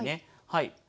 はい。